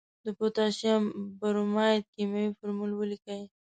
د پوتاشیم برماید کیمیاوي فورمول ولیکئ.